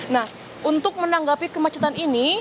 nah untuk menanggapi kemacetan ini